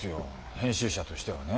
編集者としてはね。